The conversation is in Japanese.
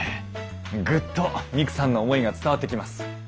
グッとミクさんの思いが伝わってきます。